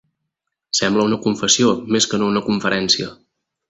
Sembla una confessió, més que no una conferència!